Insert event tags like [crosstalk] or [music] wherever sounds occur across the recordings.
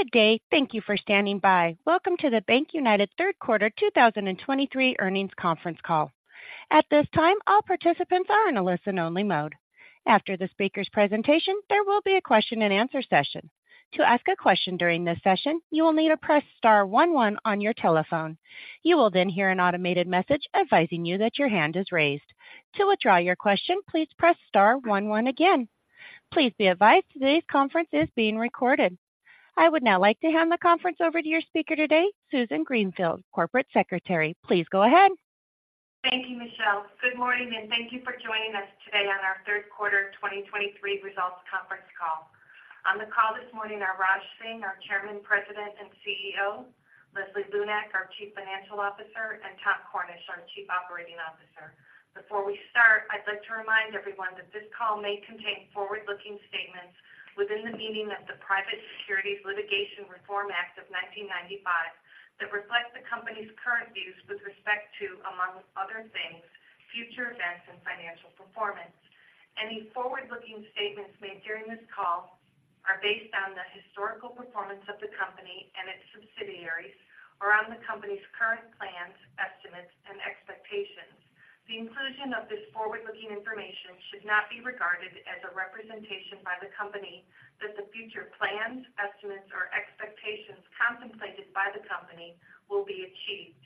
Good day. Thank you for standing by. Welcome to the BankUnited Q3 2023 Earnings Conference Call. At this time, all participants are in a listen-only mode. After the speaker's presentation, there will be a question-and-answer session. To ask a question during this session, you will need to press star one one on your telephone. You will then hear an automated message advising you that your hand is raised. To withdraw your question, please press star one one again. Please be advised today's conference is being recorded. I would now like to hand the conference over to your speaker today, Susan Greenfield, Corporate Secretary. Please go ahead. Thank you, Michelle. Good morning, and thank you for joining us today on our Q3 2023 Results Conference Call. On the call this morning are Raj Singh, our Chairman, President, and CEO; Leslie Lunak, our Chief Financial Officer; and Tom Cornish, our Chief Operating Officer. Before we start, I'd like to remind everyone that this call may contain forward-looking statements within the meaning of the Private Securities Litigation Reform Act of 1995, that reflect the company's current views with respect to, among other things, future events and financial performance. Any forward-looking statements made during this call are based on the historical performance of the company and its subsidiaries or on the company's current plans, estimates, and expectations. The inclusion of this forward-looking information should not be regarded as a representation by the company that the future plans, estimates, or expectations contemplated by the company will be achieved.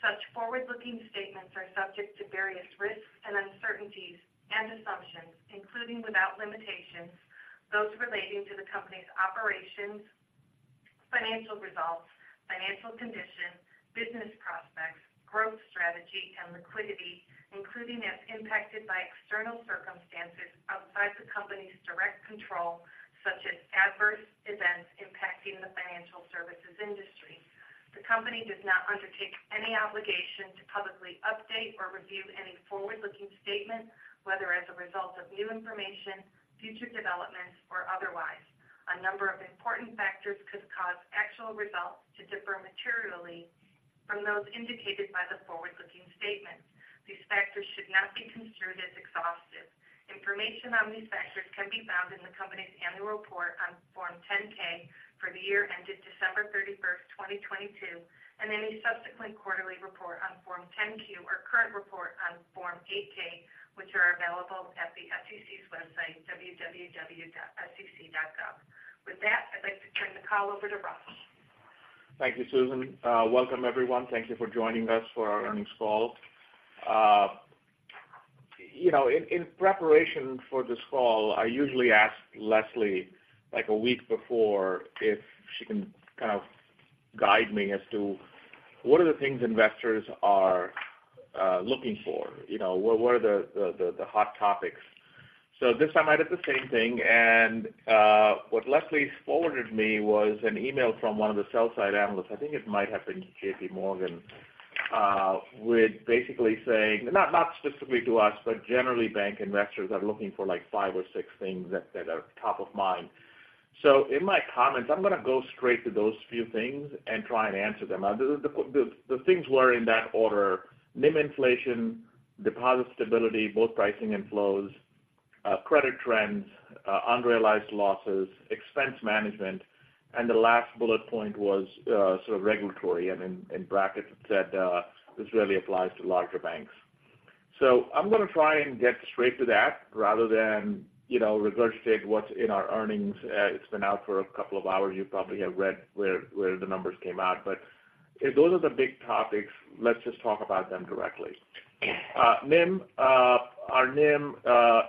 Such forward-looking statements are subject to various risks and uncertainties and assumptions, including without limitations, those relating to the company's operations, financial results, financial condition, business prospects, growth strategy, and liquidity, including as impacted by external circumstances outside the company's direct control, such as adverse events impacting the financial services industry. The company does not undertake any obligation to publicly update or review any forward-looking statement, whether as a result of new information, future developments, or otherwise. A number of important factors could cause actual results to differ materially from those indicated by the forward-looking statements. These factors should not be considered as exhaustive. Information on these factors can be found in the company's annual report on Form 10-K for the year ended December 31, 2022, and any subsequent quarterly report on Form 10-Q or current report on Form 8-K, which are available at the SEC's website, www.sec.gov. With that, I'd like to turn the call over to Raj. Thank you, Susan. Welcome, everyone. Thank you for joining us for our earnings call. You know, in preparation for this call, I usually ask Leslie, like a week before, if she can kind of guide me as to what are the things investors are looking for? You know, what are the hot topics? So this time I did the same thing, and what Leslie forwarded me was an email from one of the sell-side analysts, I think it might have been J.P. Morgan, with basically saying, not specifically to us, but generally bank investors are looking for like five or six things that are top of mind. So in my comments, I'm gonna go straight to those few things and try and answer them. The things were in that order, NIM inflation, deposit stability, both pricing and flows, credit trends, unrealized losses, expense management, and the last bullet point was sort of regulatory, and in brackets, it said this really applies to larger banks. So I'm gonna try and get straight to that rather than, you know, regurgitate what's in our earnings. It's been out for a couple of hours. You probably have read where the numbers came out. But if those are the big topics, let's just talk about them directly. NIM, our NIM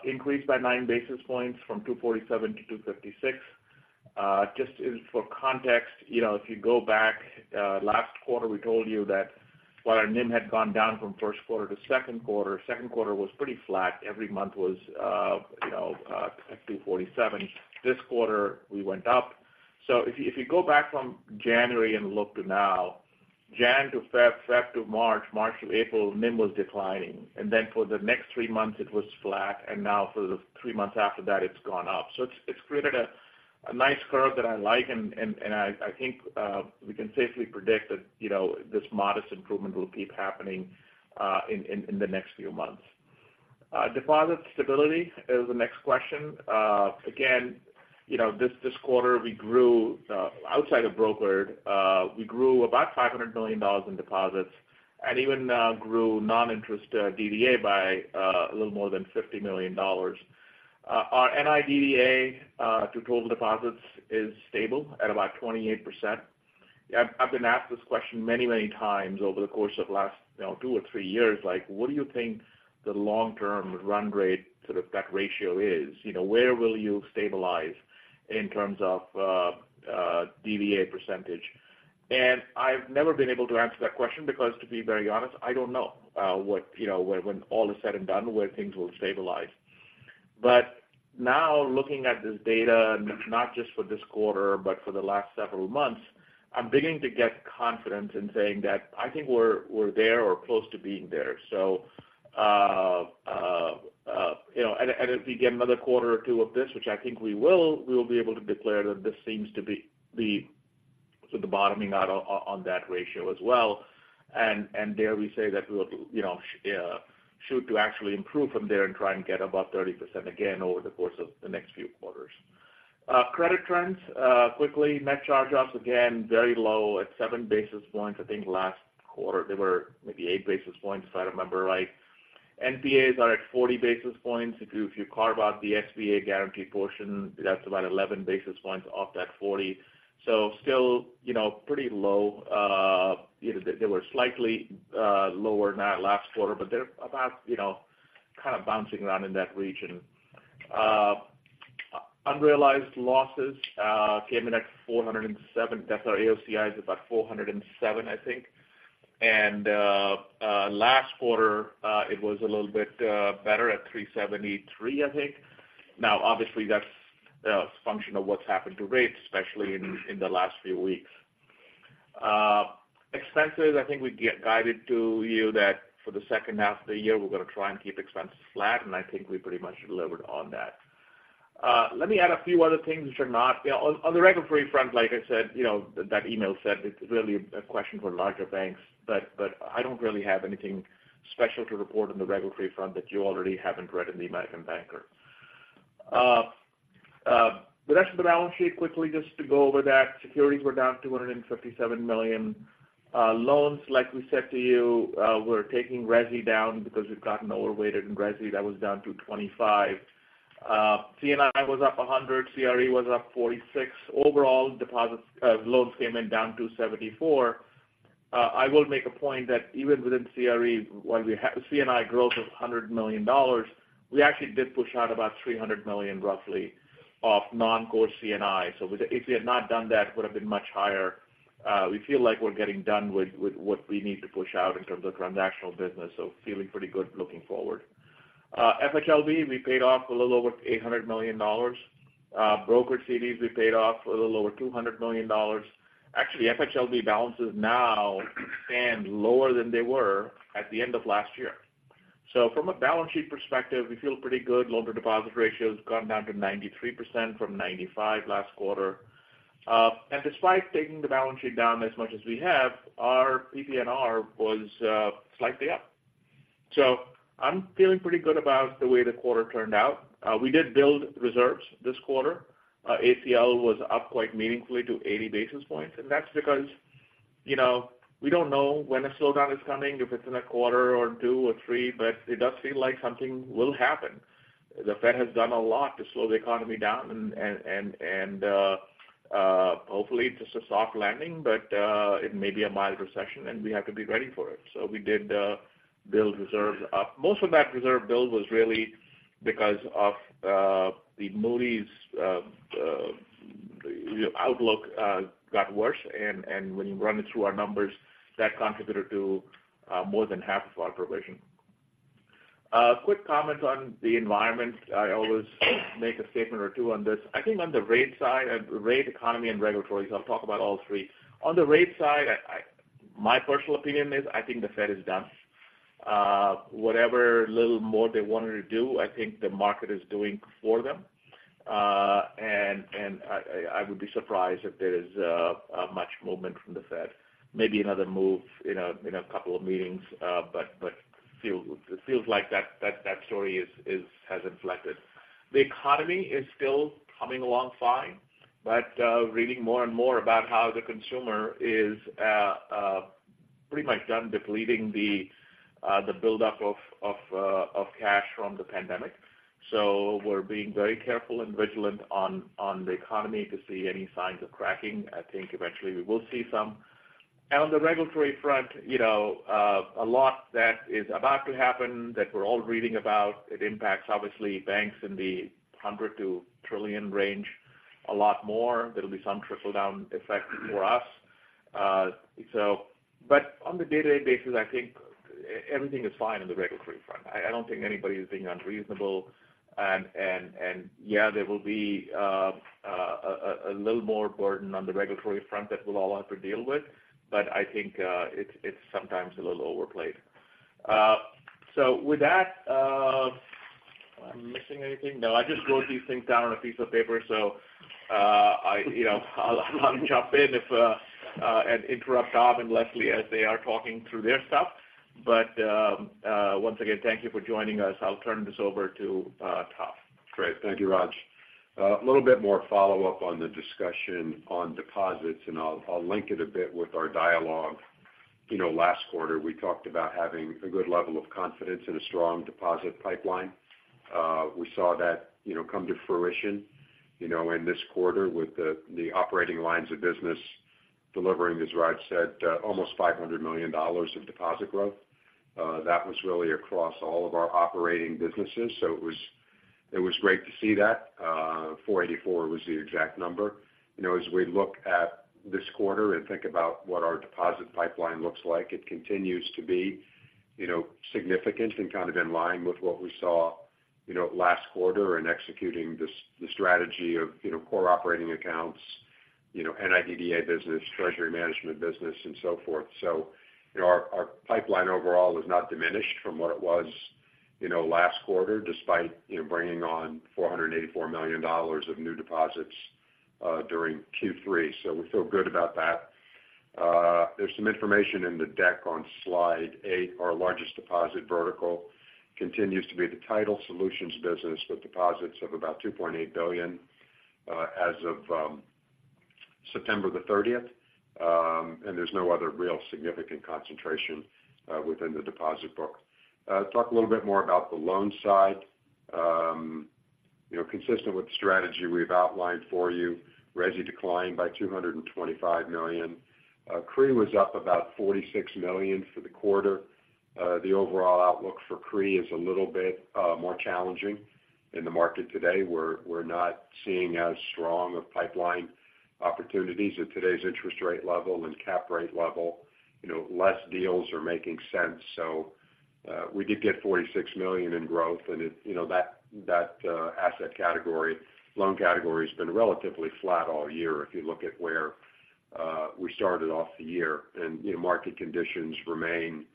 increased by nine basis points from 2.47%-2.56%. Just as for context, you know, if you go back, last quarter, we told you that while our NIM had gone down from Q1 to Q2, Q2 was pretty flat. Every month was, you know, 2.47. This quarter, we went up. So if you, if you go back from January and look to now, January to February, February to March, March to April, NIM was declining. And then for the next three months, it was flat, and now for the three months after that, it's gone up. So it's, it's created a, a nice curve that I like, and, and, and I, I think, we can safely predict that, you know, this modest improvement will keep happening, in, in, in the next few months. Deposit stability is the next question. Again, you know, this, this quarter, we grew, outside of brokered, we grew about $500 million in deposits and even, grew non-interest DDA by, a little more than $50 million. Our NIDDA to total deposits is stable at about 28%. I've been asked this question many, many times over the course of last, you know, two or three years, like: What do you think the long-term run rate sort of that ratio is? You know, where will you stabilize in terms of DDA percentage? And I've never been able to answer that question because, to be very honest, I don't know what, you know, when all is said and done, where things will stabilize. But now, looking at this data, not just for this quarter, but for the last several months, I'm beginning to get confident in saying that I think we're there or close to being there. So, you know, and if we get another quarter or two of this, which I think we will, we will be able to declare that this seems to be the bottoming out on that ratio as well. And dare we say that we will, you know, shoot to actually improve from there and try and get above 30% again over the course of the next few quarters. Credit trends, quickly, net charge-offs, again, very low at 7 basis points. I think last quarter they were maybe 8 basis points, if I remember right. NPAs are at 40 basis points. If you carve out the SBA guaranteed portion, that's about 11 basis points off that 40. So still, you know, pretty low. You know, they, they were slightly lower than that last quarter, but they're about, you know, kind of bouncing around in that region. Unrealized losses came in at 407. That's our AOCI is about 407, I think. Last quarter, it was a little bit better at 373, I think. Now, obviously, that's function of what's happened to rates, especially in the last few weeks. Expenses, I think we guided to you that for the second half of the year, we're going to try and keep expenses flat, and I think we pretty much delivered on that. Let me add a few other things which are not. You know, on the regulatory front, like I said, you know, that email said it's really a question for larger banks, but I don't really have anything special to report on the regulatory front that you already haven't read in the American Banker. The rest of the balance sheet, quickly, just to go over that, securities were down $257 million. Loans, like we said to you, we're taking resi down because we've gotten overweight in resi. That was down to 25. C&I was up 100, CRE was up 46. Overall, deposits, loans came in down 274. I will make a point that even within CRE, while we had C&I growth of $100 million, we actually did push out about $300 million, roughly, of non-core C&I. So, if we had not done that, it would have been much higher. We feel like we're getting done with, with what we need to push out in terms of transactional business, so feeling pretty good looking forward. FHLB, we paid off a little over $800 million. Brokered CDs, we paid off a little over $200 million. Actually, FHLB balances now stand lower than they were at the end of last year. So from a balance sheet perspective, we feel pretty good. Loan to deposit ratio has gone down to 93% from 95% last quarter. And despite taking the balance sheet down as much as we have, our PPNR was slightly up. So I'm feeling pretty good about the way the quarter turned out. We did build reserves this quarter. ACL was up quite meaningfully to 80 basis points, and that's because, you know, we don't know when a slowdown is coming, if it's in a quarter or two or three, but it does feel like something will happen. The Fed has done a lot to slow the economy down and, and, and, hopefully, it's just a soft landing, but, it may be a mild recession, and we have to be ready for it. So we did build reserves up. Most of that reserve build was really because of the Moody's, you know, outlook got worse, and, when you run it through our numbers, that contributed to more than half of our provision. Quick comment on the environment. I always make a statement or two on this. I think on the rate side, rate, economy, and regulatory, so I'll talk about all three. On the rate side, my personal opinion is I think the Fed is done. Whatever little more they wanted to do, I think the market is doing for them. And I would be surprised if there is much movement from the Fed. Maybe another move in a couple of meetings, but it feels like that story has inflected. The economy is still coming along fine, but reading more and more about how the consumer is pretty much done depleting the buildup of cash from the pandemic. So we're being very careful and vigilant on the economy to see any signs of cracking. I think eventually we will see some. And on the regulatory front, you know, a lot that is about to happen, that we're all reading about. It impacts, obviously, banks in the 100 to trillion range a lot more. There'll be some trickle-down effect for us. So, but on the day-to-day basis, I think everything is fine on the regulatory front. I don't think anybody is being unreasonable. And, yeah, there will be a little more burden on the regulatory front that we'll all have to deal with, but I think it's sometimes a little overplayed. So with that, am I missing anything? No, I just wrote these things down on a piece of paper, so, you know, I'll jump in if and interrupt Tom and Leslie as they are talking through their stuff. But, once again, thank you for joining us. I'll turn this over to Tom. Great. Thank you, Raj. A little bit more follow-up on the discussion on deposits, and I'll link it a bit with our dialogue. You know, last quarter, we talked about having a good level of confidence and a strong deposit pipeline. We saw that, you know, come to fruition, you know, in this quarter with the operating lines of business delivering, as Raj said, almost $500 million of deposit growth. That was really across all of our operating businesses, so it was great to see that. 484 was the exact number. You know, as we look at this quarter and think about what our deposit pipeline looks like, it continues to be, you know, significant and kind of in line with what we saw, you know, last quarter in executing this, the strategy of, you know, core operating accounts, you know, NIDDA business, treasury management business, and so forth. So, you know, our pipeline overall is not diminished from what it was. You know, last quarter, despite, you know, bringing on $484 million of new deposits during Q3. So we feel good about that. There's some information in the deck on slide eight. Our largest deposit vertical continues to be the Title Solutions business, with deposits of about $2.8 billion as of September 30th. And there's no other real significant concentration within the deposit book. Talk a little bit more about the loan side. You know, consistent with the strategy we've outlined for you, Resi declined by $225 million. CRE was up about $46 million for the quarter. The overall outlook for CRE is a little bit more challenging in the market today. We're not seeing as strong of pipeline opportunities at today's interest rate level and cap rate level. You know, less deals are making sense. So, we did get $46 million in growth, and it, you know, that asset category, loan category has been relatively flat all year if you look at where we started off the year. And, you know, market conditions remain,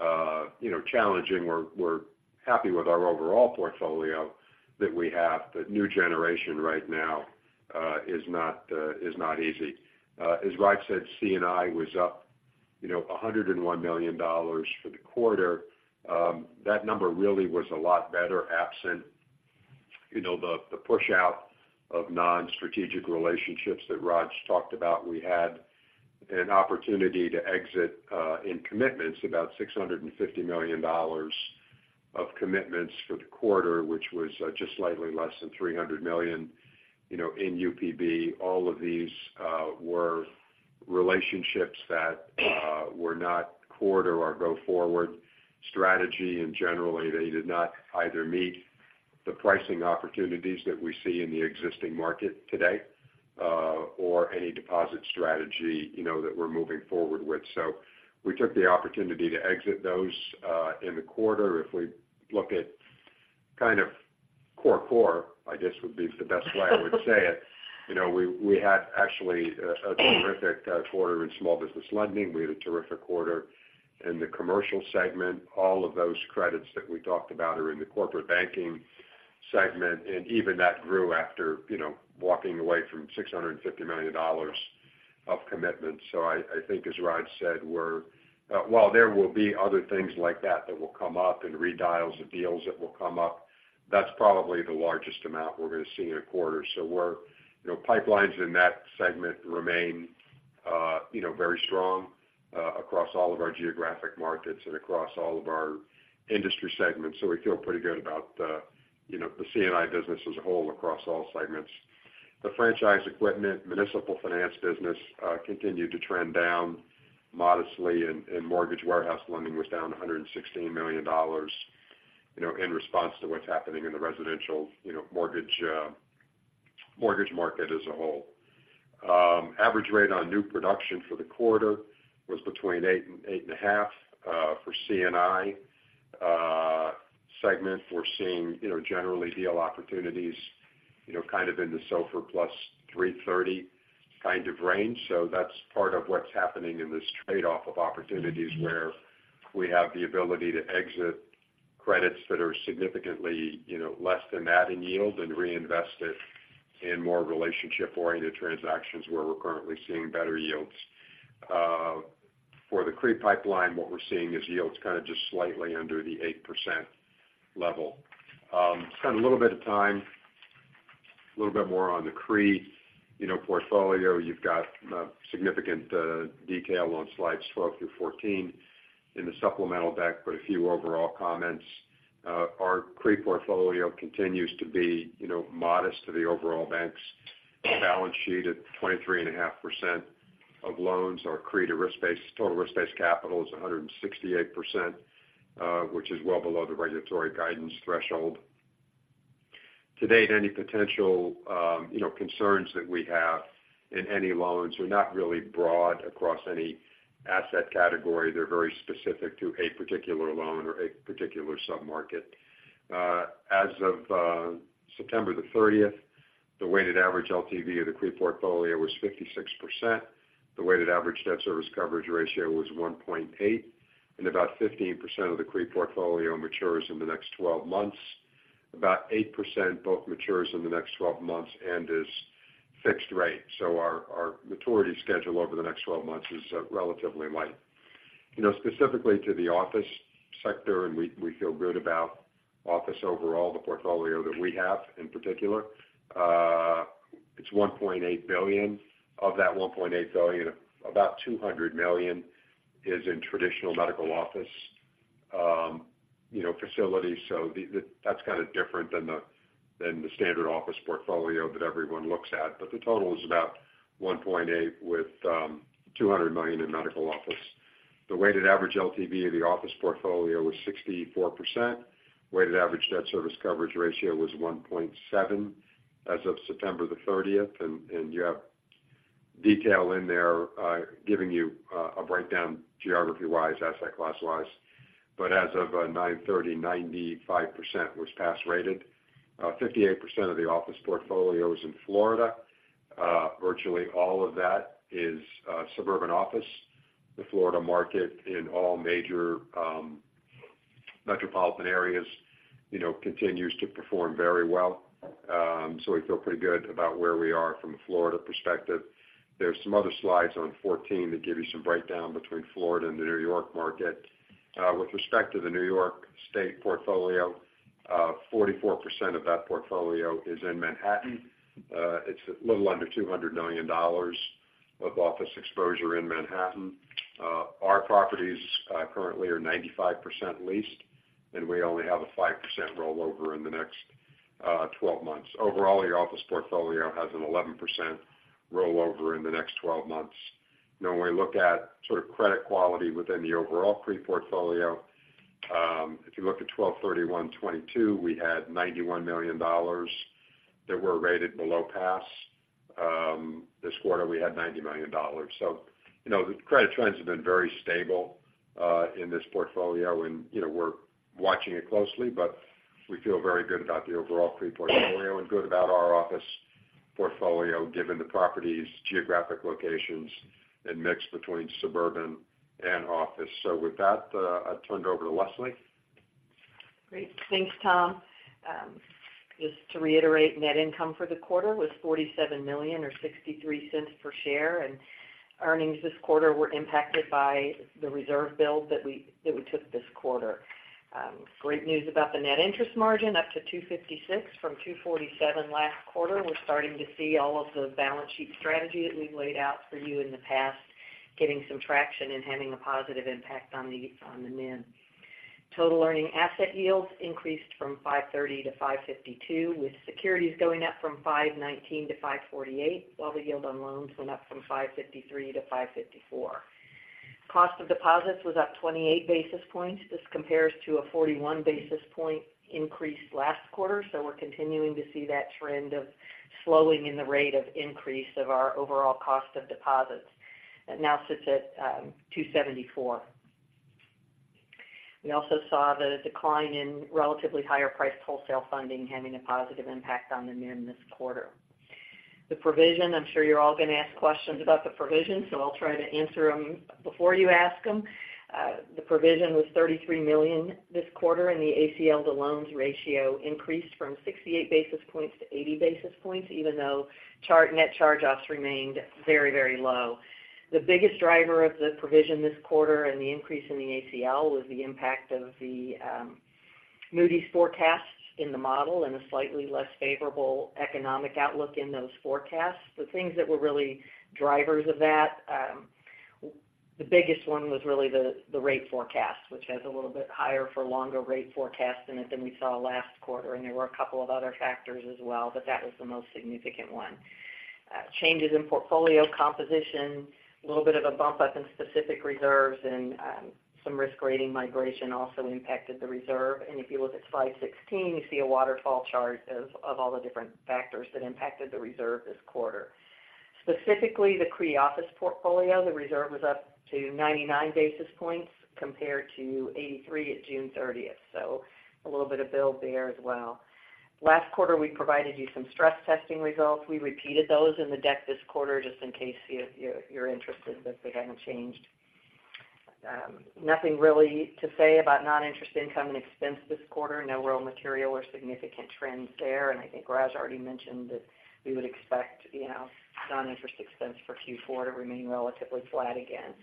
you know, challenging. We're happy with our overall portfolio that we have, but new generation right now is not easy. As Raj said, C&I was up, you know, $101 million for the quarter. That number really was a lot better, absent, you know, the pushout of non-strategic relationships that Raj talked about. We had an opportunity to exit in commitments about $650 million of commitments for the quarter, which was just slightly less than $300 million, you know, in UPB. All of these were relationships that were not core to our go-forward strategy, and generally, they did not either meet the pricing opportunities that we see in the existing market today or any deposit strategy, you know, that we're moving forward with. So we took the opportunity to exit those in the quarter. If we look at kind of core core, I guess, would be the best way I would say it, you know, we had actually a terrific quarter in small business lending. We had a terrific quarter in the commercial segment. All of those credits that we talked about are in the corporate banking segment, and even that grew after, you know, walking away from $650 million of commitments. So I think as Raj said, we're while there will be other things like that that will come up and redials of deals that will come up, that's probably the largest amount we're going to see in a quarter. So we're, you know, pipelines in that segment remain, you know, very strong across all of our geographic markets and across all of our industry segments. So we feel pretty good about, you know, the C&I business as a whole across all segments. The franchise equipment, municipal finance business continued to trend down modestly, and mortgage warehouse lending was down $116 million, you know, in response to what's happening in the residential, you know, mortgage, mortgage market as a whole. Average rate on new production for the quarter was between 8 and 8.5. For C&I segment, we're seeing, you know, generally deal opportunities, you know, kind of in the SOFR plus 330 kind of range. So that's part of what's happening in this trade-off of opportunities, where we have the ability to exit credits that are significantly, you know, less than that in yield and reinvest it in more relationship-oriented transactions, where we're currently seeing better yields. For the CRE pipeline, what we're seeing is yields kind of just slightly under the 8% level. Spend a little bit of time, a little bit more on the CRE, you know, portfolio. You've got significant detail on Slides 12 through 14 in the supplemental deck, but a few overall comments. Our CRE portfolio continues to be, you know, modest to the overall bank's balance sheet at 23.5% of loans. Our CRE to risk-based, total risk-based capital is 168%, which is well below the regulatory guidance threshold. To date, any potential, you know, concerns that we have in any loans are not really broad across any asset category. They're very specific to a particular loan or a particular submarket. As of September 30th, the weighted average LTV of the CRE portfolio was 56%. The weighted average debt service coverage ratio was 1.8, and about 15% of the CRE portfolio matures in the next 12 months. About 8% both matures in the next 12 months and is fixed rate. So our maturity schedule over the next 12 months is relatively light. You know, specifically to the office sector, and we feel good about office overall, the portfolio that we have in particular, it's $1.8 billion. Of that $1.8 billion, about $200 million is in traditional medical office, you know, facilities. So the that's kind of different than the standard office portfolio that everyone looks at. But the total is about $1.8 billion with $200 million in medical office. The weighted average LTV of the office portfolio was 64%. Weighted average debt service coverage ratio was 1.7 as of September 30, and you have detail in there, giving you a breakdown geography-wise, asset class-wise. But as of 9/30, 95% was pass rated. 58% of the office portfolio is in Florida. Virtually all of that is suburban office. The Florida market in all major metropolitan areas, you know, continues to perform very well. So we feel pretty good about where we are from a Florida perspective. There's some other slides on 14 that give you some breakdown between Florida and the New York market. With respect to the New York state portfolio, 44% of that portfolio is in Manhattan. It's a little under $200 million of office exposure in Manhattan. Our properties currently are 95% leased, and we only have a 5% rollover in the next 12 months. Overall, the office portfolio has an 11% rollover in the next 12 months. Now, when we look at sort of credit quality within the overall CRE portfolio, if you look at 12/31/2022, we had $91 million that were rated below pass. This quarter, we had $90 million. So, you know, the credit trends have been very stable in this portfolio, and, you know, we're watching it closely, but we feel very good about the overall CRE portfolio and good about our office portfolio, given the properties' geographic locations and mix between suburban and office. So with that, I'll turn it over to Leslie. Great. Thanks, Tom. Just to reiterate, net income for the quarter was $47 million or $0.63 per share, and earnings this quarter were impacted by the reserve build that we, that we took this quarter. Great news about the net interest margin, up to 2.56% from 2.47% last quarter. We're starting to see all of the balance sheet strategy that we've laid out for you in the past, getting some traction and having a positive impact on the, on the NIM. Total earning asset yields increased from 5.30% to 5.52%, with securities going up from 5.19% to 5.48%, while the yield on loans went up from 5.53% to 5.54%. Cost of deposits was up 28 basis points. This compares to a 41 basis point increase last quarter. So we're continuing to see that trend of slowing in the rate of increase of our overall cost of deposits. It now sits at 274. We also saw the decline in relatively higher priced wholesale funding, having a positive impact on the NIM this quarter. The provision, I'm sure you're all going to ask questions about the provision, so I'll try to answer them before you ask them. The provision was $33 million this quarter, and the ACL to loans ratio increased from 68 basis points to 80 basis points, even though net charge-offs remained very, very low. The biggest driver of the provision this quarter and the increase in the ACL was the impact of the Moody's forecasts in the model and a slightly less favorable economic outlook in those forecasts. The things that were really drivers of that, the biggest one was really the rate forecast, which has a little bit higher for longer rate forecast in it than we saw last quarter, and there were a couple of other factors as well, but that was the most significant one. Changes in portfolio composition, a little bit of a bump up in specific reserves and, some risk rating migration also impacted the reserve. And if you look at slide 16, you see a waterfall chart of all the different factors that impacted the reserve this quarter. Specifically, the CRE office portfolio, the reserve was up to 99 basis points compared to 83 at June 30th. So a little bit of build there as well. Last quarter, we provided you some stress testing results. We repeated those in the deck this quarter, just in case you, you're interested, but they haven't changed. Nothing really to say about non-interest income and expense this quarter. No real material or significant trends there. And I think Raj already mentioned that we would expect, you know, non-interest expense for Q4 to remain relatively flat again.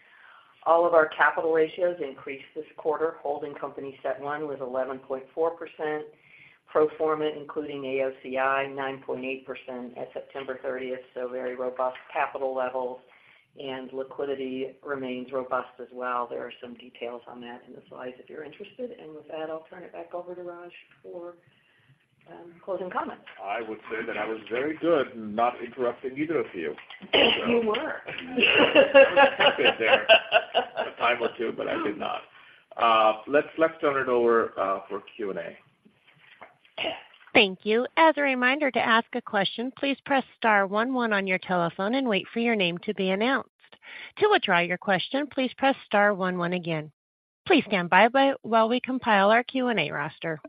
All of our capital ratios increased this quarter. Holding company CET1 was 11.4%. Pro forma, including AOCI, 9.8% at September 30th, so very robust capital levels, and liquidity remains robust as well. There are some details on that in the slides, if you're interested. And with that, I'll turn it back over to Raj for closing comments. I would say that I was very good in not interrupting either of you. You were. A time or two, but I did not. Let's turn it over for Q&A. Thank you. As a reminder to ask a question, please press star one, one on your telephone and wait for your name to be announced. To withdraw your question, please press star one, one again. Please stand by while we compile our Q&A roster.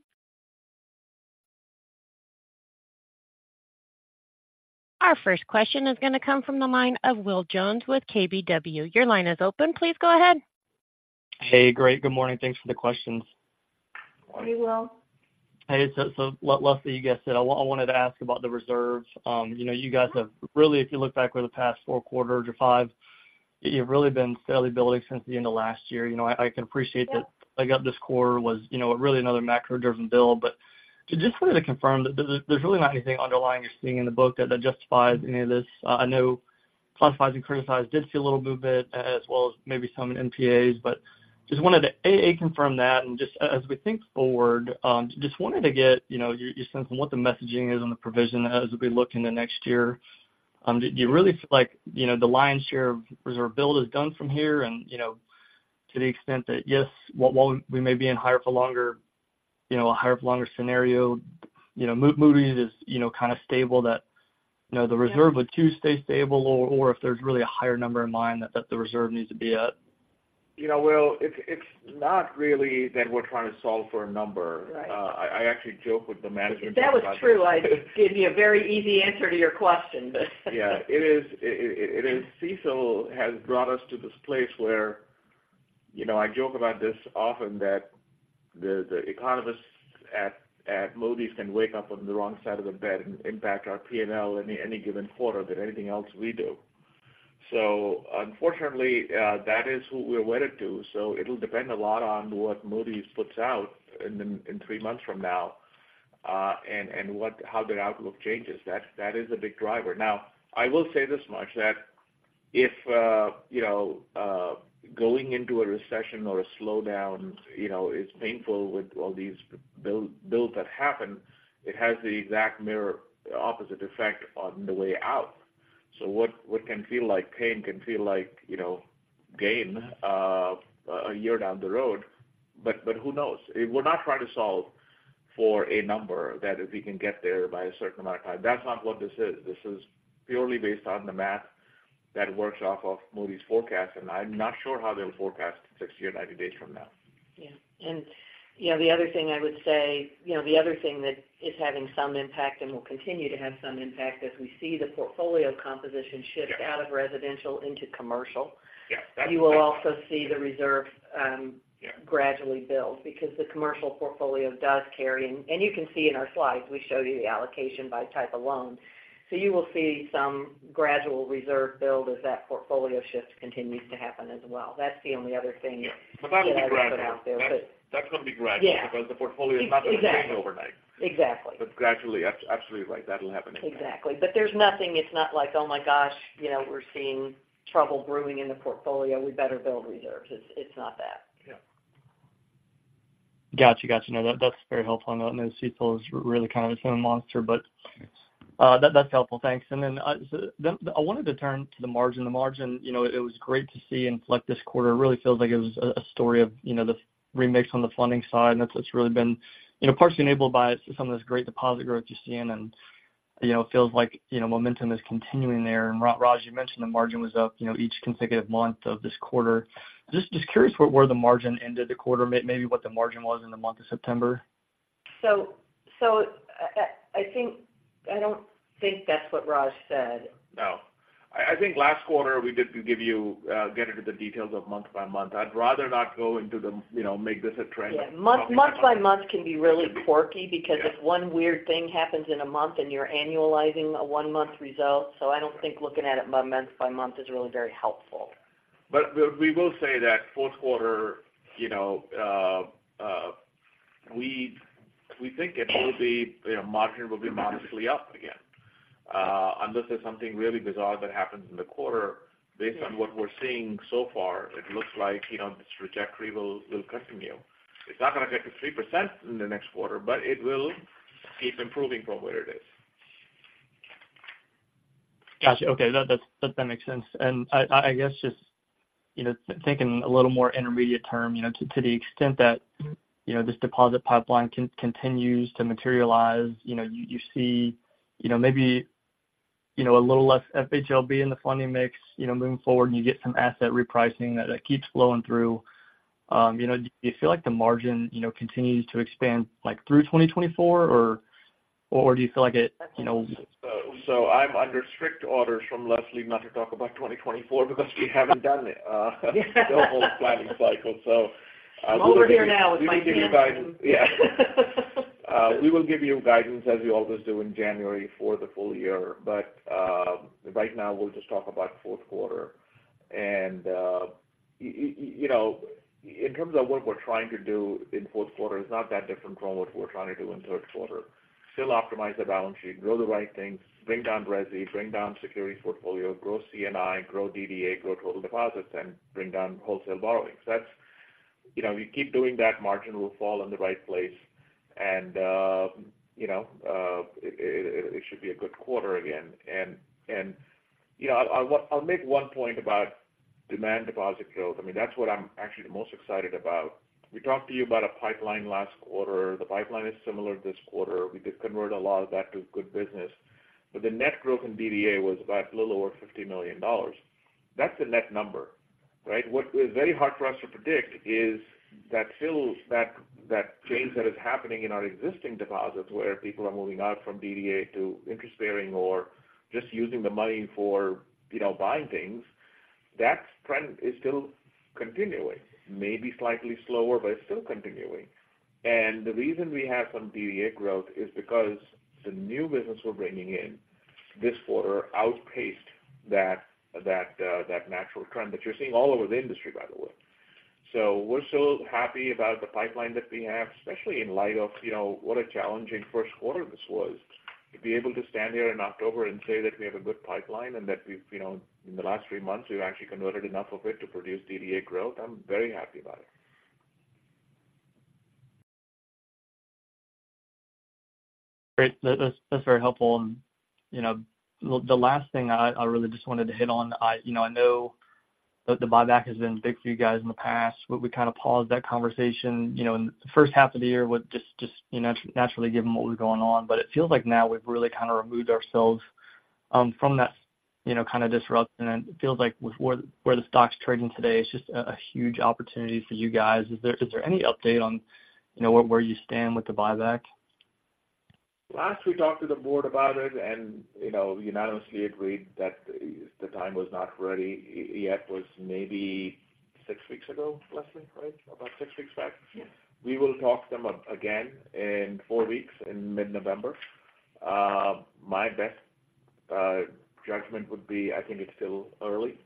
Our first question is going to come from the line of Will Jones with KBW. Your line is open. Please go ahead. Hey, great. Good morning. Thanks for the questions. Good morning, Will. Hey, so Leslie, you guys said—I wanted to ask about the reserve. You know, you guys have really, if you look back over the past 4 quarters or 5, you've really been steadily building since the end of last year. You know, I can appreciate that, like, up this quarter was, you know, really another macro-driven build. But just wanted to confirm that there's really not anything underlying you're seeing in the book that justifies any of this. I know classifieds and criticized did see a little movement as well as maybe some NPAs, but just wanted to confirm that. And just as we think forward, just wanted to get, you know, your sense on what the messaging is on the provision as we look in the next year. Do you really feel like, you know, the lion's share of reserve build is done from here? And, you know, to the extent that, yes, while we may be in higher for longer, you know, a higher for longer scenario, you know, Moody's is, you know, kind of stable, that, you know, the reserve would too stay stable or, or if there's really a higher number in mind that, that the reserve needs to be at? You know, well, it's, it's not really that we're trying to solve for a number. Right. I actually joke with the management. If that was true, I'd give you a very easy answer to your question, but. Yeah, it is. CECL has brought us to this place where, you know, I joke about this often that the economists at Moody's can wake up on the wrong side of the bed and impact our P&L in any given quarter than anything else we do. So unfortunately, that is who we're wedded to. So it'll depend a lot on what Moody's puts out in three months from now, and what, how their outlook changes. That is a big driver. Now, I will say this much, that if, you know, going into a recession or a slowdown, you know, is painful with all these bills that happen, it has the exact mirror opposite effect on the way out. So what, what can feel like pain, can feel like, you know, gain, a year down the road. But, but who knows? We're not trying to solve for a number that if we can get there by a certain amount of time, that's not what this is. This is purely based on the math that works off of Moody's forecast, and I'm not sure how they'll forecast 60 or 90 days from now. Yeah. You know, the other thing I would say, you know, the other thing that is having some impact and will continue to have some impact as we see the portfolio composition shift [crosstalk] out of residential into commercial. [crosstalk] You will also see the reserve [crosstalk] gradually build because the commercial portfolio does carry, and you can see in our slides, we show you the allocation by type of loan. So you will see some gradual reserve build as that portfolio shift continues to happen as well. That's the only other thing that I would put out there. But that's going to be gradual. Yeah. Because the portfolio is not going to change overnight. Exactly. But gradually, absolutely, like, that'll happen again. Exactly. But there's nothing, it's not like, oh, my gosh, you know, we're seeing trouble brewing in the portfolio, we better build reserves. It's, it's not that. Yeah. Got you. Got you. No, that, that's very helpful. I know CECL is really kind of its own monster, but- Yes That, that's helpful. Thanks. And then I wanted to turn to the margin. The margin, you know, it was great to see and collect this quarter. It really feels like it was a story of, you know, the remix on the funding side, and it's, it's really been, you know, partially enabled by some of this great deposit growth you're seeing. And, you know, it feels like, you know, momentum is continuing there. And Raj, you mentioned the margin was up, you know, each consecutive month of this quarter. Just curious where the margin ended the quarter, maybe what the margin was in the month of September. So, I think. I don't think that's what Raj said. No. I think last quarter we did get into the details of month by month. I'd rather not go into the, you know, make this a trend. Yeah. Month by month can be really quirky. Yes Because if one weird thing happens in a month and you're annualizing a one-month result. So I don't think looking at it month by month is really very helpful. But we will say that Q4, you know, we think it will be, you know, margin will be modestly up again. Unless there's something really bizarre that happens in the quarter, based on what we're seeing so far, it looks like, you know, this trajectory will continue. It's not going to get to 3% in the next quarter, but it will keep improving from where it is. Got you. Okay, that makes sense. And I guess just, you know, thinking a little more intermediate term, you know, to the extent that, you know, this deposit pipeline continues to materialize, you know, you see, you know, maybe, you know, a little less FHLB in the funding mix, you know, moving forward, and you get some asset repricing that keeps flowing through. You know, do you feel like the margin, you know, continues to expand, like, through 2024, or do you feel like it, you know? So, I'm under strict orders from Leslie not to talk about 2024 because we haven't done it, the whole planning cycle. So. I'm over here now with my pants. We will give you guidance. Yeah. We will give you guidance, as we always do, in January for the full year. But, right now, we'll just talk about Q4. And, you know, in terms of what we're trying to do in Q4, it's not that different from what we're trying to do in Q3. Still optimize the balance sheet, grow the right things, bring down resi, bring down securities portfolio, grow C&I, grow DDA, grow total deposits, and bring down wholesale borrowings. That's, you know, we keep doing that, margin will fall in the right place and, you know, it should be a good quarter again. And, you know, I'll make one point about demand deposit growth. I mean, that's what I'm actually the most excited about. We talked to you about a pipeline last quarter. The pipeline is similar this quarter. We did convert a lot of that to good business, but the net growth in DDA was about a little over $50 million. That's the net number, right? What is very hard for us to predict is that still, that change that is happening in our existing deposits, where people are moving out from DDA to interest bearing or just using the money for, you know, buying things, that trend is still continuing. Maybe slightly slower, but it's still continuing. And the reason we have some DDA growth is because the new business we're bringing in this quarter outpaced that natural trend that you're seeing all over the industry, by the way. So we're so happy about the pipeline that we have, especially in light of, you know, what a challenging Q1 this was. To be able to stand here in October and say that we have a good pipeline and that we've, you know, in the last three months, we've actually converted enough of it to produce DDA growth, I'm very happy about it. Great. That's very helpful. And, you know, the last thing I really just wanted to hit on, you know, I know that the buyback has been big for you guys in the past. We kind of paused that conversation, you know, in the first half of the year with just, you know, naturally given what was going on. But it feels like now we've really kind of removed ourselves from that, you know, kind of disruption, and it feels like with where the stock's trading today, it's just a huge opportunity for you guys. Is there any update on, you know, where you stand with the buyback? Last we talked to the board about it, and, you know, unanimously agreed that the time was not ready yet, was maybe six weeks ago, Leslie, right? About six weeks back. Yes. We will talk to them again in four weeks, in mid-November. My best judgment would be I think it's still early.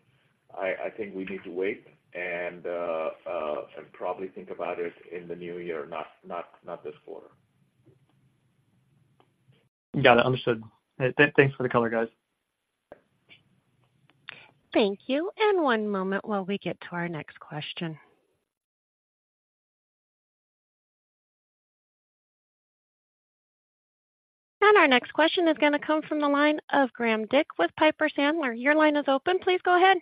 I think we need to wait and probably think about it in the new year, not this quarter. Got it, understood. Thanks for the color, guys. Thank you, and one moment while we get to our next question. Our next question is gonna come from the line of Graham Dick with Piper Sandler. Your line is open. Please go ahead.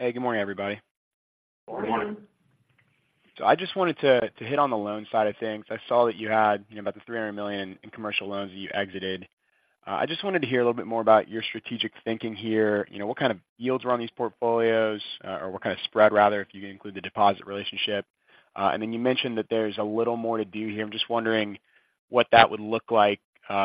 Hey, good morning, everybody. Good morning. Good morning. So I just wanted to hit on the loan side of things. I saw that you had, you know, about $300 million in commercial loans that you exited. I just wanted to hear a little bit more about your strategic thinking here. You know, what kind of yields were on these portfolios, or what kind of spread, rather, if you can include the deposit relationship? And then you mentioned that there's a little more to do here. I'm just wondering what that would look like,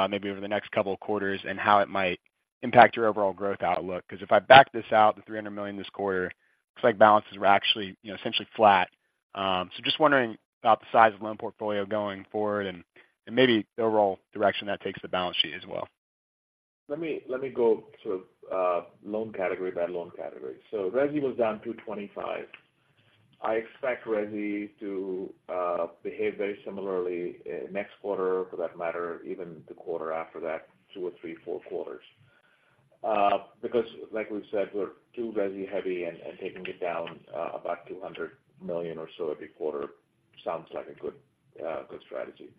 maybe over the next couple of quarters, and how it might impact your overall growth outlook. Because if I back this out, the $300 million this quarter, looks like balances were actually, you know, essentially flat. So just wondering about the size of loan portfolio going forward and maybe the overall direction that takes the balance sheet as well? Let me go sort of loan category by loan category. So resi was down $225 million. I expect resi to behave very similarly next quarter, for that matter, even the quarter after that, two or three, four quarters. Because like we've said, we're too resi heavy, and taking it down about $200 million or so every quarter sounds like a good strategy.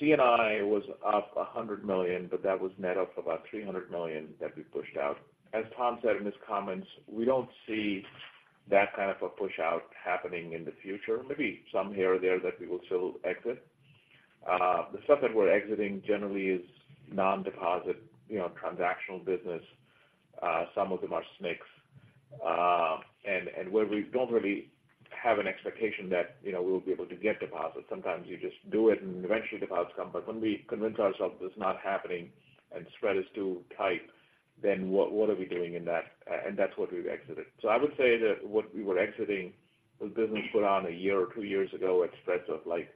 C&I was up $100 million, but that was net of about $300 million that we pushed out. As Tom said in his comments, we don't see that kind of a pushout happening in the future. Maybe some here or there that we will still exit. The stuff that we're exiting generally is non-deposit, you know, transactional business. Some of them are SNCs. And where we don't really have an expectation that, you know, we'll be able to get deposits, sometimes you just do it, and eventually, deposits come. But when we convince ourselves it's not happening and spread is too tight, then what, what are we doing in that? And that's what we've exited. So I would say that what we were exiting was business put on a year or two years ago at spreads of like,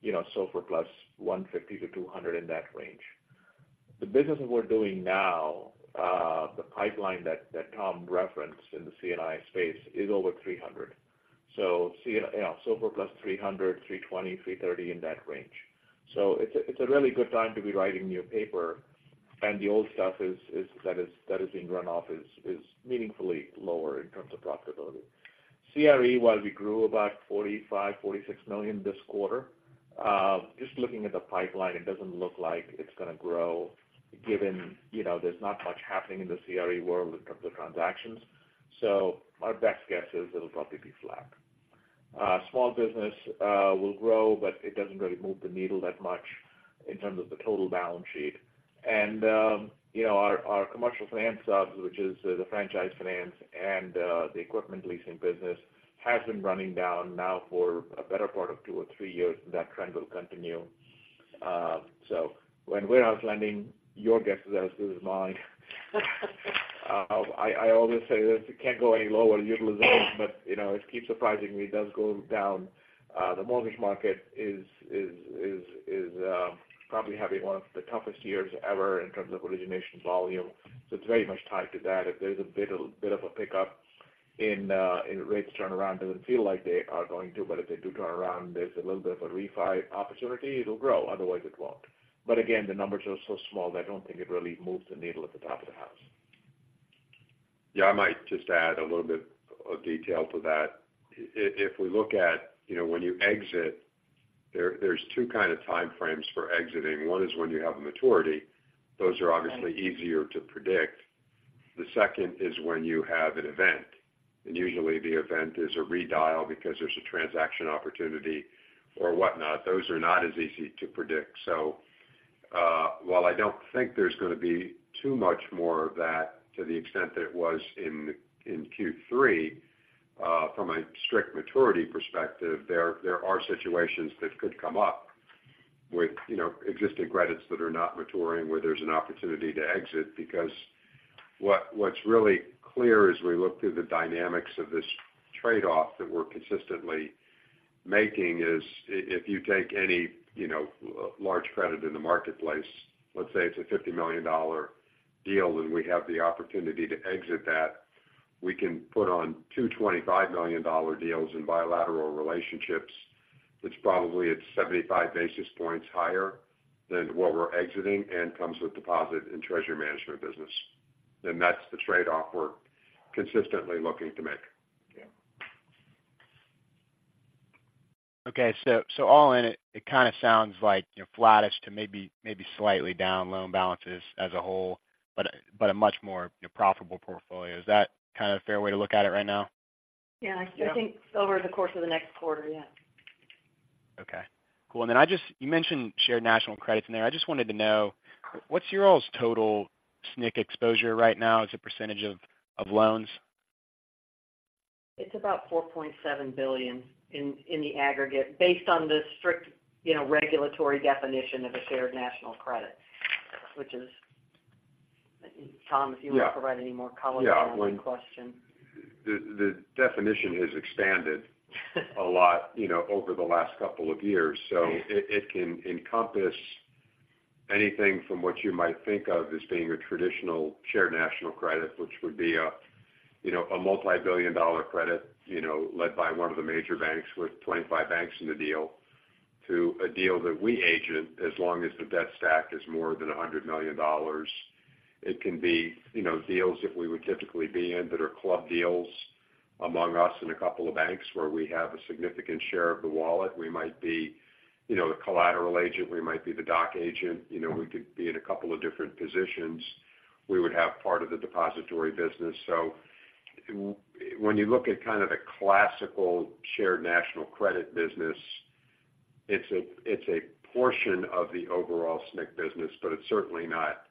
you know, SOFR plus 150-200, in that range. The business that we're doing now, the pipeline that Tom referenced in the C&I space is over 300. So you know, SOFR plus 300, 320, 330, in that range. So it's a really good time to be writing new paper, and the old stuff that is being run off is meaningfully lower in terms of profitability. CRE, while we grew about $45-$46 million this quarter, just looking at the pipeline, it doesn't look like it's gonna grow, given, you know, there's not much happening in the CRE world in terms of transactions. So our best guess is it'll probably be flat. Small business will grow, but it doesn't really move the needle that much in terms of the total balance sheet. And, you know, our commercial finance subs, which is the franchise finance and the equipment leasing business, has been running down now for a better part of two or three years, and that trend will continue. So when we're not lending, your guess is as good as mine. I always say that it can't go any lower utilization, but, you know, it keeps surprising me, it does go down. The mortgage market is probably having one of the toughest years ever in terms of origination volume, so it's very much tied to that. If there's a bit of a pickup in rates turnaround, doesn't feel like they are going to, but if they do turn around, there's a little bit of a refi opportunity, it'll grow, otherwise it won't. But again, the numbers are so small that I don't think it really moves the needle at the top of the house. Yeah, I might just add a little bit of detail to that. If we look at, you know, when you exit, there's two kind of time frames for exiting. One is when you have a maturity. Those are obviously easier to predict. The second is when you have an event, and usually, the event is a redial because there's a transaction opportunity or whatnot. Those are not as easy to predict. So, while I don't think there's going to be too much more of that to the extent that it was in Q3, from a strict maturity perspective, there are situations that could come up with, you know, existing credits that are not maturing, where there's an opportunity to exit. Because what's really clear as we look through the dynamics of this trade-off that we're consistently making is if you take any, you know, large credit in the marketplace, let's say it's a $50 million deal, and we have the opportunity to exit that, we can put on two $25 million deals in bilateral relationships, which probably is 75 basis points higher than what we're exiting and comes with deposit and treasury management business. Then that's the trade-off we're consistently looking to make. Yeah. Okay. So all in, it kind of sounds like, you know, flattish to maybe slightly down loan balances as a whole, but a much more, you know, profitable portfolio. Is that kind of a fair way to look at it right now? Yeah. Yeah. I think over the course of the next quarter, yeah. Okay, cool. And then I just, you mentioned Shared National Credits in there. I just wanted to know, what's your all's total SNC exposure right now as a percentage of, of loans? It's about $4.7 billion in the aggregate, based on the strict, you know, regulatory definition of a Shared National Credit, which is. Tom, if you want to provide any more color on that question. Yeah. The, the definition has expanded a lot, you know, over the last couple of years. So it, it can encompass anything from what you might think of as being a traditional Shared National Credit, which would be a, you know, a multi-billion-dollar credit, you know, led by one of the major banks with 25 banks in the deal, to a deal that we agent, as long as the debt stack is more than $100 million. It can be, you know, deals that we would typically be in that are club deals among us and a couple of banks where we have a significant share of the wallet. We might be, you know, the collateral agent, we might be the doc agent. You know, we could be in a couple of different positions. We would have part of the depository business. So when you look at kind of the classical Shared National Credit business, it's a, it's a portion of the overall SNC business, but it's certainly not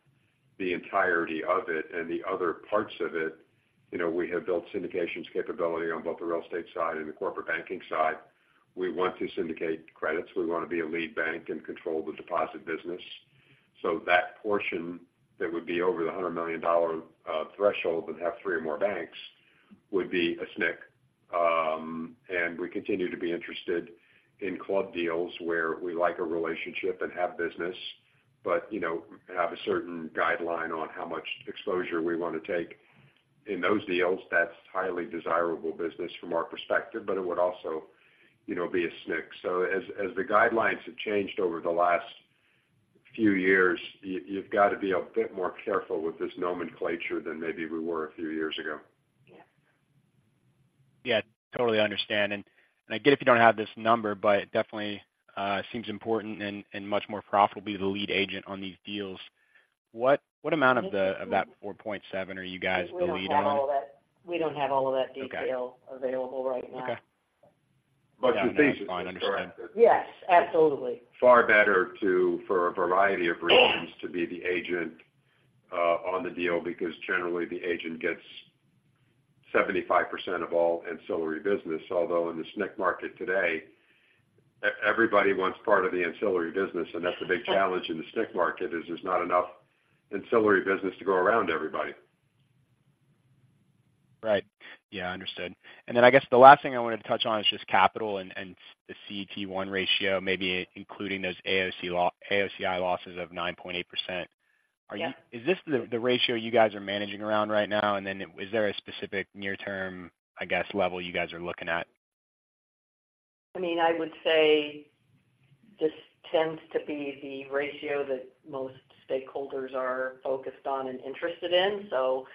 the entirety of it. And the other parts of it, you know, we have built syndications capability on both the real estate side and the corporate banking side. We want to syndicate credits. We want to be a lead bank and control the deposit business. So that portion that would be over the $100 million threshold and have three or more banks would be a SNC. And we continue to be interested in club deals where we like a relationship and have business, but, you know, have a certain guideline on how much exposure we want to take in those deals. That's highly desirable business from our perspective, but it would also, you know, be a SNC. So, as the guidelines have changed over the last few years, you've got to be a bit more careful with this nomenclature than maybe we were a few years ago. Yeah. Yeah, totally understand. And I get if you don't have this number, but it definitely seems important and much more profitable to be the lead agent on these deals. What amount of that $4.7 billion are you guys the lead on? We don't have all of that detail- Okay. - available right now. Okay. But the- That's fine. Understand. Yes, absolutely. Far better to, for a variety of reasons, [crosstalk] to be the agent on the deal, because generally the agent gets 75% of all ancillary business. Although in the SNC market today, everybody wants part of the ancillary business, and that's the big challenge in the SNC market, is there's not enough ancillary business to go around everybody. Right. Yeah, understood. And then I guess the last thing I wanted to touch on is just capital and the CET1 ratio, maybe including those AOCI losses of 9.8%. Yeah. Is this the ratio you guys are managing around right now? And then is there a specific near-term, I guess, level you guys are looking at? I mean, I would say this tends to be the ratio that most stakeholders are focused on and interested in. So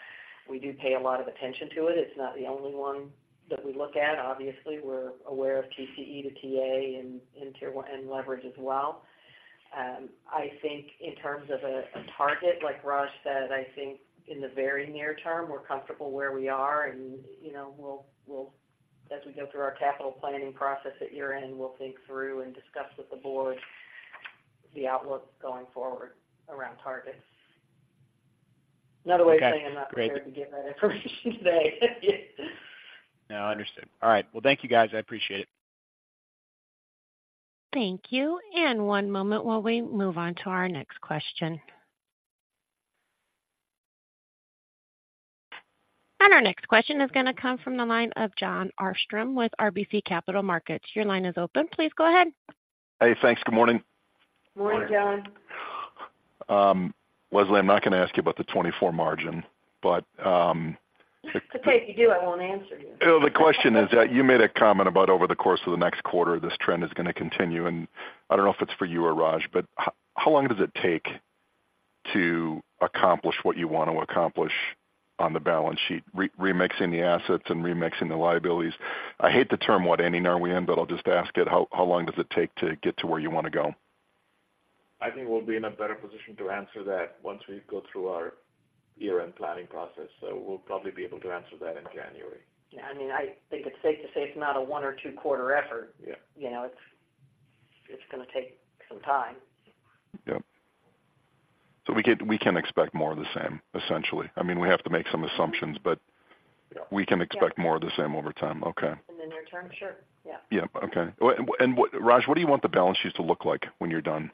we do pay a lot of attention to it. It's not the only one that we look at. Obviously, we're aware of TCE to TA and Tier 1 and leverage as well. I think in terms of a target, like Raj said, I think in the very near term, we're comfortable where we are and, you know, we'll, as we go through our capital planning process at year-end, we'll think through and discuss with the board the outlook going forward around targets. Another way of saying I'm not prepared to give that information today. No, I understood. All right. Well, thank you, guys. I appreciate it. Thank you. One moment while we move on to our next question. Our next question is going to come from the line of Jon Arfstrom with RBC Capital Markets. Your line is open. Please go ahead. Hey, thanks. Good morning. Morning, Jon. Leslie, I'm not going to ask you about the 2024 margin, but. It's okay if you do, I won't answer you. No, the question is that you made a comment about over the course of the next quarter, this trend is going to continue, and I don't know if it's for you or Raj, but how long does it take to accomplish what you want to accomplish on the balance sheet, remixing the assets and remixing the liabilities? I hate the term what ending are we in, but I'll just ask it. How, how long does it take to get to where you want to go? I think we'll be in a better position to answer that once we go through our year-end planning process. So we'll probably be able to answer that in January. Yeah, I mean, I think it's safe to say it's not a one or two quarter effort. Yeah. You know, it's going to take some time. Yep. So we can expect more of the same, essentially. I mean, we have to make some assumptions, but we can expect more of the same over time. Okay. In the near term, sure. Yeah. Yep. Okay. Raj, what do you want the balance sheets to look like when you're done?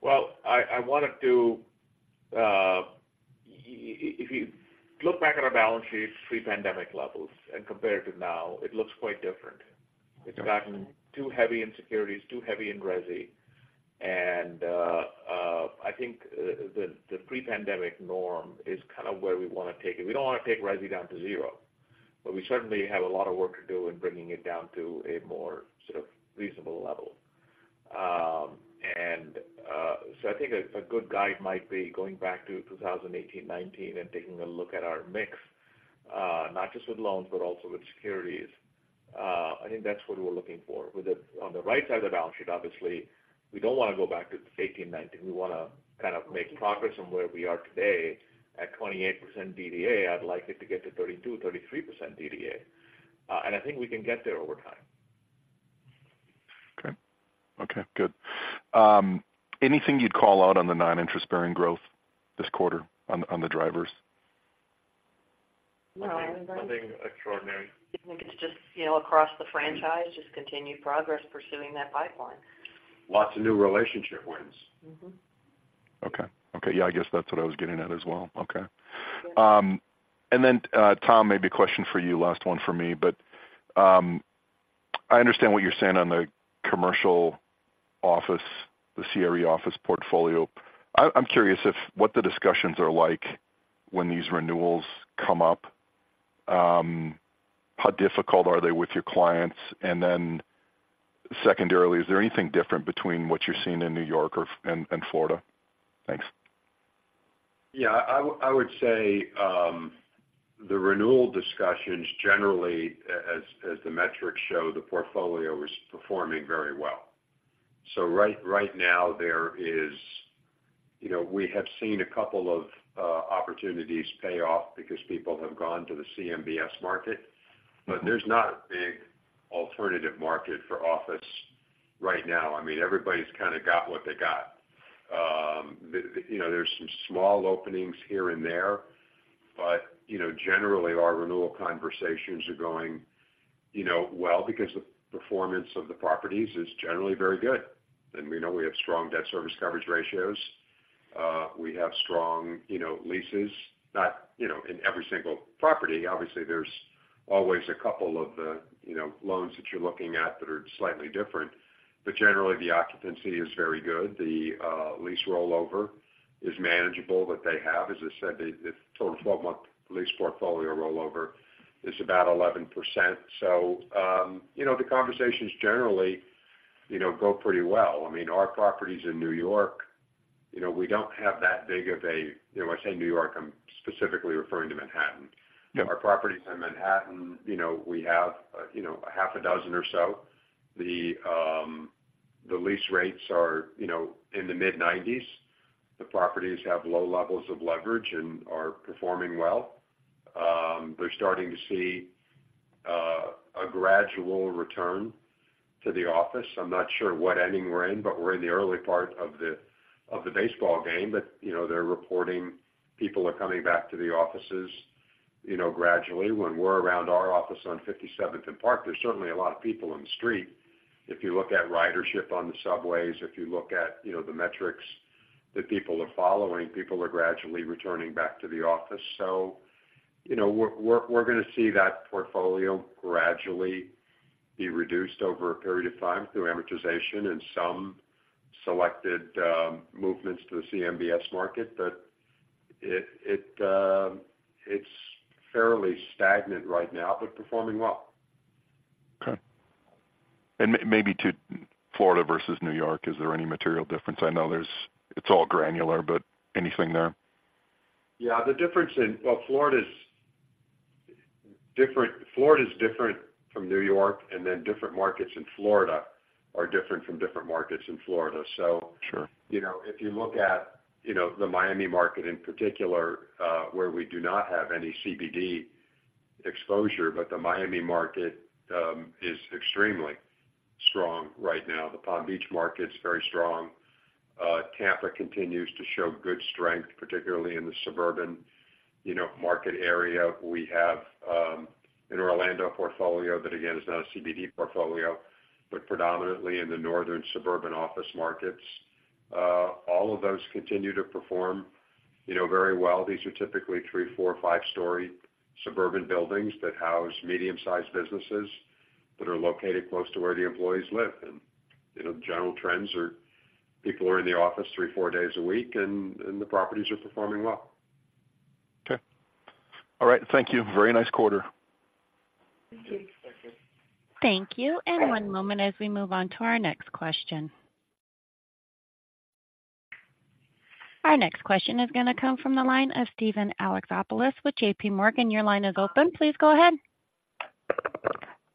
Well, if you look back at our balance sheets pre-pandemic levels and compare it to now, it looks quite different. Okay. It's gotten too heavy in securities, too heavy in resi. And I think the pre-pandemic norm is kind of where we want to take it. We don't want to take resi down to zero, but we certainly have a lot of work to do in bringing it down to a more sort of reasonable level. And so I think a good guide might be going back to 2018, 2019, and taking a look at our mix, not just with loans, but also with securities. I think that's what we're looking for. On the right side of the balance sheet, obviously, we don't want to go back to 2018, 2019. We want to kind of make progress on where we are today at 28% DDA. I'd like it to get to 32%, 33% DDA. I think we can get there over time. Okay, good. Anything you'd call out on the non-interest-bearing growth this quarter on the drivers? No, anything. Nothing extraordinary. I think it's just, you know, across the franchise, just continued progress pursuing that pipeline. Lots of new relationship wins. Mm-hmm. Okay. Okay, yeah, I guess that's what I was getting at as well. Okay. And then, Tom, maybe a question for you, last one for me, but I understand what you're saying on the commercial office, the CRE office portfolio. I'm curious what the discussions are like when these renewals come up, how difficult are they with your clients? And then secondarily, is there anything different between what you're seeing in New York and Florida? Thanks. Yeah, I would say, the renewal discussions, generally, as, as the metrics show, the portfolio is performing very well. So right, right now, there is. You know, we have seen a couple of, opportunities pay off because people have gone to the CMBS market, but there's not a big alternative market for office right now. I mean, everybody's kind of got what they got. The, you know, there's some small openings here and there, but, you know, generally, our renewal conversations are going, you know, well, because the performance of the properties is generally very good. And we know we have strong debt service coverage ratios. We have strong, you know, leases, not, you know, in every single property. Obviously, there's always a couple of the, you know, loans that you're looking at that are slightly different. But generally, the occupancy is very good. The lease rollover is manageable, that they have. As I said, the total 12-month lease portfolio rollover is about 11%. So, you know, the conversations generally, you know, go pretty well. I mean, our properties in New York, you know, we don't have that big of a. You know, when I say New York, I'm specifically referring to Manhattan. Yeah. Our properties in Manhattan, you know, we have a half a dozen or so. The lease rates are, you know, in the mid-90s. The properties have low levels of leverage and are performing well. They're starting to see a gradual return to the office. I'm not sure what inning we're in, but we're in the early part of the baseball game. But, you know, they're reporting people are coming back to the offices, you know, gradually. When we're around our office on 57th and Park, there's certainly a lot of people on the street. If you look at ridership on the subways, if you look at, you know, the metrics that people are following, people are gradually returning back to the office. So, you know, we're gonna see that portfolio gradually be reduced over a period of time through amortization and some selected movements to the CMBS market. But it's fairly stagnant right now, but performing well. Okay. And maybe to Florida versus New York, is there any material difference? I know there's. It's all granular, but anything there? Yeah, the difference in. Well, Florida's different. Florida is different from New York, and then different markets in Florida are different from different markets in Florida, so. Sure. You know, if you look at, you know, the Miami market in particular, where we do not have any CBD exposure, but the Miami market is extremely strong right now. The Palm Beach market is very strong. Tampa continues to show good strength, particularly in the suburban, you know, market area. We have an Orlando portfolio that, again, is not a CBD portfolio, but predominantly in the northern suburban office markets. All of those continue to perform, you know, very well. These are typically three, four, or five-story suburban buildings that house medium-sized businesses that are located close to where the employees live. And, you know, the general trends are people are in the office three, four days a week, and the properties are performing well. Okay. All right. Thank you. Very nice quarter. Thank you. And one moment as we move on to our next question. Our next question is gonna come from the line of Steven Alexopoulos with JP Morgan. Your line is open. Please go ahead.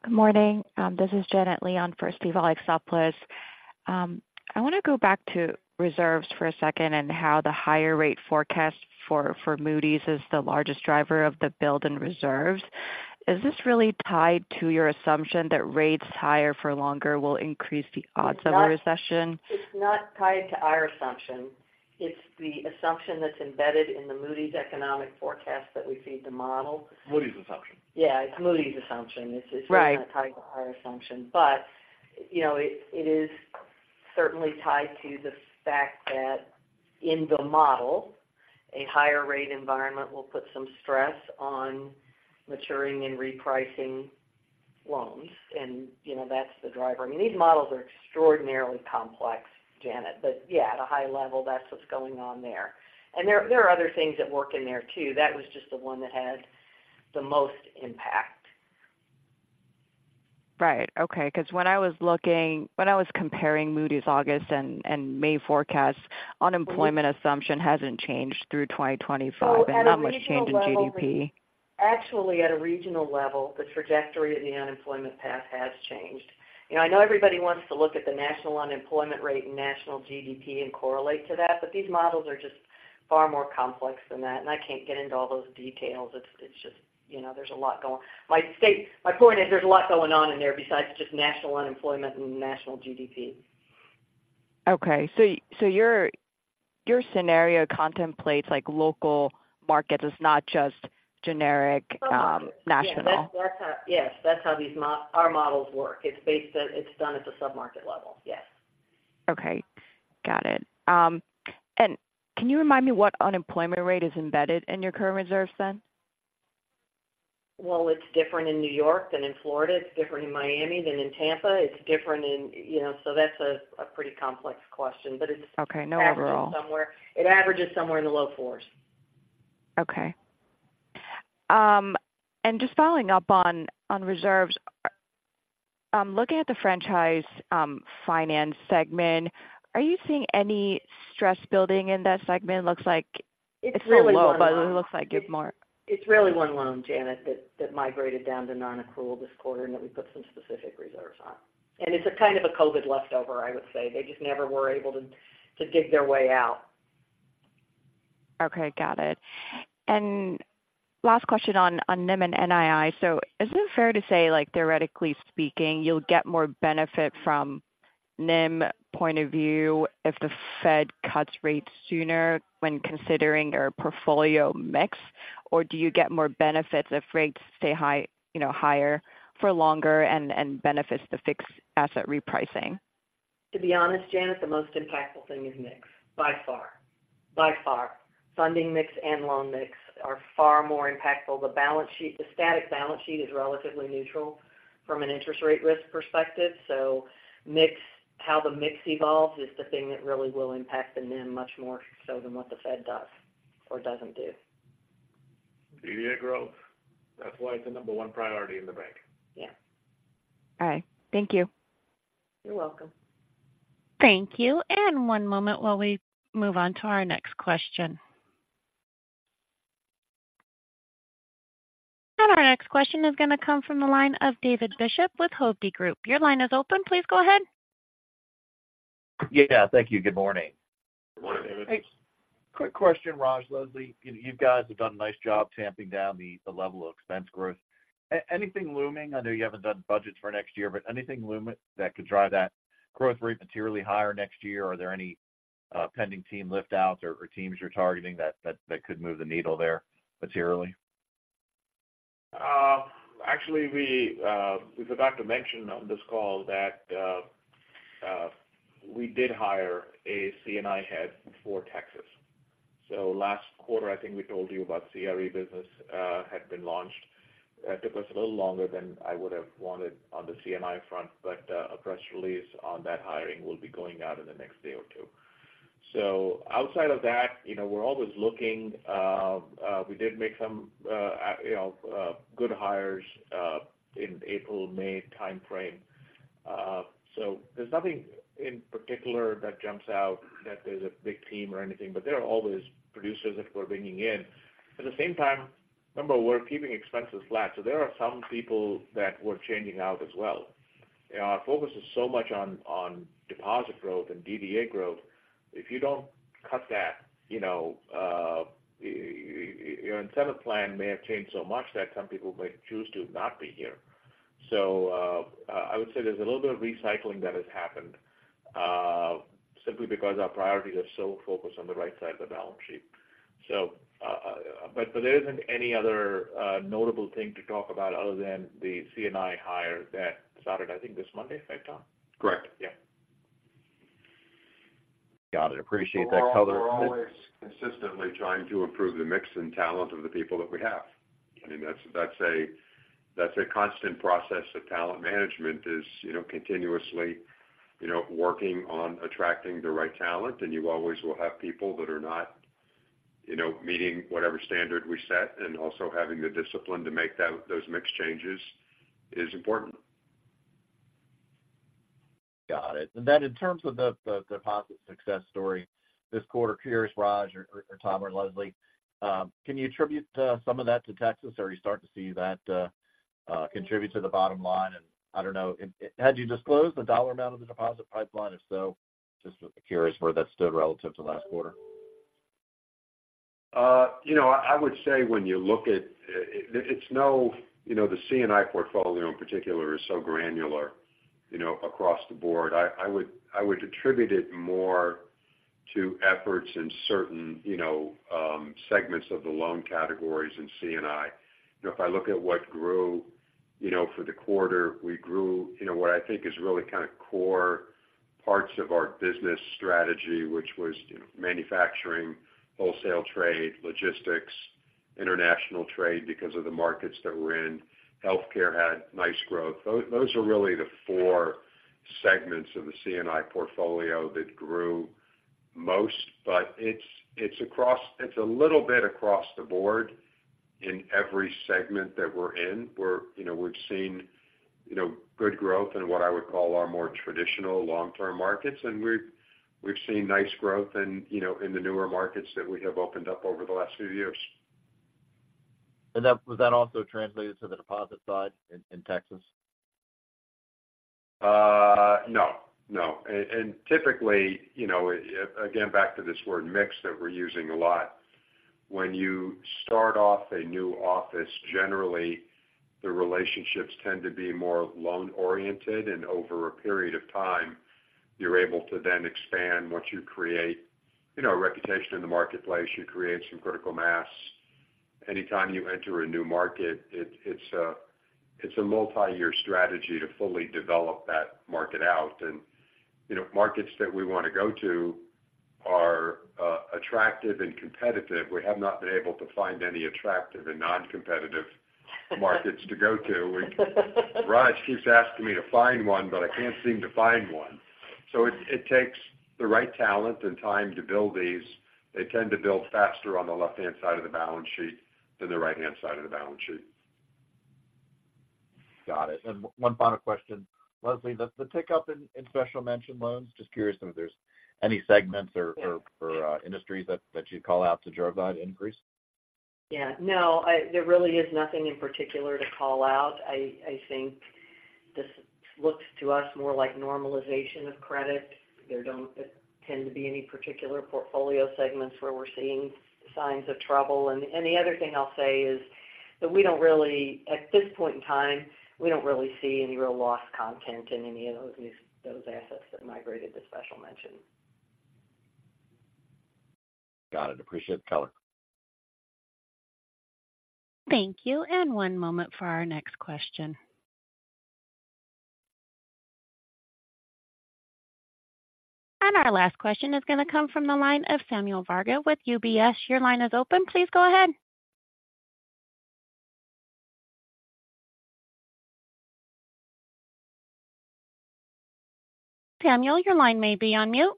Good morning. This is Janet Lee on for Steve Alexopoulos. I want to go back to reserves for a second and how the higher rate forecast for Moody's is the largest driver of the build in reserves. Is this really tied to your assumption that rates higher for longer will increase the odds of a recession? It's not tied to our assumption. It's the assumption that's embedded in the Moody's economic forecast that we feed the model. Moody's assumption. Yeah, it's Moody's assumption. Right. It's not tied to our assumption. But, you know, it is certainly tied to the fact that in the model, a higher rate environment will put some stress on maturing and repricing loans. And, you know, that's the driver. I mean, these models are extraordinarily complex, Janet. But yeah, at a high level, that's what's going on there. And there are other things that work in there, too. That was just the one that had the most impact. Right. Okay. Because when I was looking, when I was comparing Moody's August and May forecasts, unemployment assumption hasn't changed through 2025, and not much change in GDP. Actually, at a regional level, the trajectory of the unemployment path has changed. You know, I know everybody wants to look at the national unemployment rate and national GDP and correlate to that, but these models are just far more complex than that, and I can't get into all those details. It's just, you know, there's a lot going. My point is, there's a lot going on in there besides just national unemployment and national GDP. Okay. So your scenario contemplates like local markets. It's not just generic, national. Yes, that's how, yes, that's how these our models work. It's based on, it's done at the submarket level. Yes. Okay, got it. Can you remind me what unemployment rate is embedded in your current reserves then? Well, it's different in New York than in Florida. It's different in Miami than in Tampa. It's different in, you know, so that's a pretty complex question, but it's. Okay, no overall. It averages somewhere in the low fours. Okay. And just following up on, on reserves. Looking at the franchise finance segment, are you seeing any stress building in that segment? Looks like it's still low. It's really one loan. But it looks like it more. It's really one loan, Janet, that migrated down to nonaccrual this quarter, and that we put some specific reserves on. And it's a kind of a COVID leftover, I would say. They just never were able to dig their way out. Okay, got it. And last question on, on NIM and NII. So is it fair to say, like, theoretically speaking, you'll get more benefit from NIM point of view if the Fed cuts rates sooner when considering your portfolio mix? Or do you get more benefits if rates stay high, you know, higher for longer and, and benefits the fixed asset repricing? To be honest, Janet, the most impactful thing is mix, by far. By far. Funding mix and loan mix are far more impactful. The balance sheet, the static balance sheet is relatively neutral from an interest rate risk perspective. So mix, how the mix evolves, is the thing that really will impact the NIM much more so than what the Fed does or doesn't do. DDA growth. That's why it's the number one priority in the bank. Yes. All right. Thank you. You're welcome. Thank you. And one moment while we move on to our next question. And our next question is going to come from the line of David Bishop with Hovde Group. Your line is open. Please go ahead. Yeah, thank you. Good morning. Good morning, David. Quick question, Raj, Leslie. You guys have done a nice job tamping down the level of expense growth. Anything looming? I know you haven't done budgets for next year, but anything looming that could drive that growth rate materially higher next year? Are there any pending team lift outs or teams you're targeting that could move the needle there materially? Actually, we forgot to mention on this call that we did hire a C&I head for Texas. So last quarter, I think we told you about CRE business had been launched. Took us a little longer than I would have wanted on the C&I front, but a press release on that hiring will be going out in the next day or two. So outside of that, you know, we're always looking. We did make some, you know, good hires in the April-May timeframe. So there's nothing in particular that jumps out that there's a big team or anything, but there are always producers that we're bringing in. At the same time, remember, we're keeping expenses flat, so there are some people that we're changing out as well. Our focus is so much on deposit growth and DDA growth. If you don't cut that, you know, your incentive plan may have changed so much that some people may choose to not be here. So, I would say there's a little bit of recycling that has happened simply because our priorities are so focused on the right side of the balance sheet. So, but there isn't any other notable thing to talk about other than the C&I hire that started, I think, this Monday, right, Tom? Correct. Yeah. Got it. Appreciate that color. We're always consistently trying to improve the mix and talent of the people that we have. I mean, that's a constant process of talent management is, you know, continuously, you know, working on attracting the right talent, and you always will have people that are not, you know, meeting whatever standard we set, and also having the discipline to make those mix changes is important. Got it. And then in terms of the deposit success story this quarter, curious, Raj or Tom or Leslie, can you attribute some of that to Texas, or are you starting to see that contribute to the bottom line? And I don't know, and had you disclosed the dollar amount of the deposit pipeline? If so, just curious where that stood relative to last quarter. You know, I would say when you look at it, it's no—you know, the C&I portfolio in particular is so granular, you know, across the board. I would attribute it more to efforts in certain, you know, segments of the loan categories in C&I. You know, if I look at what grew, you know, for the quarter, we grew, you know, what I think is really kind of core parts of our business strategy, which was, you know, manufacturing, wholesale trade, logistics, international trade, because of the markets that we're in. Healthcare had nice growth. Those are really the four segments of the C&I portfolio that grew most, but it's, it's across, it's a little bit across the board in every segment that we're in, where, you know, we've seen, you know, good growth in what I would call our more traditional long-term markets, and we've, we've seen nice growth in, you know, in the newer markets that we have opened up over the last few years. And that, would that also translated to the deposit side in Texas? No, no. And typically, you know, again, back to this word mix that we're using a lot. When you start off a new office, generally, the relationships tend to be more loan-oriented, and over a period of time, you're able to then expand once you create, you know, a reputation in the marketplace, you create some critical mass. Anytime you enter a new market, it's a multi-year strategy to fully develop that market out. And, you know, markets that we want to go to are attractive and competitive. We have not been able to find any attractive and non-competitive markets to go to. Raj keeps asking me to find one, but I can't seem to find one. So it takes the right talent and time to build these. They tend to build faster on the left-hand side of the balance sheet than the right-hand side of the balance sheet. Got it. One final question. Leslie, the tick up in special mention loans, just curious if there's any segments or industries that you'd call out to drive that increase? Yeah. No, there really is nothing in particular to call out. I think this looks to us more like normalization of credit. There don't tend to be any particular portfolio segments where we're seeing signs of trouble. And the other thing I'll say is that we don't really, at this point in time, we don't really see any real loss content in any of those assets that migrated to special mention. Got it. Appreciate the color. Thank you, and one moment for our next question. Our last question is going to come from the line of Samuel Varga with UBS. Your line is open. Please go ahead. Samuel, your line may be on mute.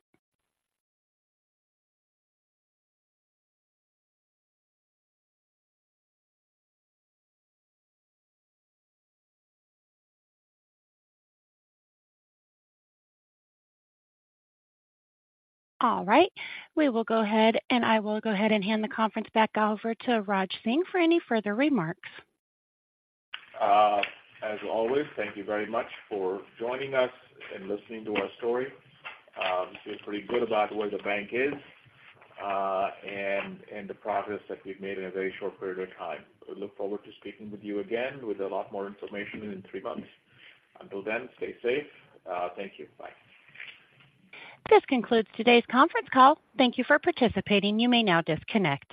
All right, we will go ahead and I will go ahead and hand the conference back over to Raj Singh for any further remarks. As always, thank you very much for joining us and listening to our story. Feel pretty good about where the bank is and the progress that we've made in a very short period of time. We look forward to speaking with you again with a lot more information in three months. Until then, stay safe. Thank you. Bye. This concludes today's conference call. Thank you for participating. You may now disconnect.